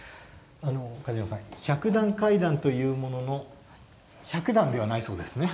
梶野さん、百段階段というものの１００段ではないそうですね。